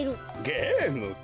ゲームか。